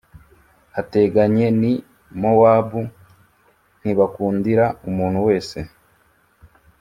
hateganye n i Mowabu ntibakundira umuntu wese